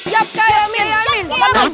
yap kiai amin